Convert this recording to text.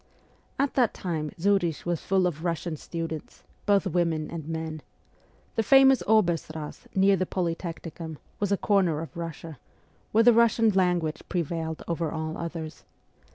At that time Zurich was full of Russian students, both women and men. The famous Oberstrass, near the Polytechnicum, was a corner of Russia, where the Russian language prevailed over all others.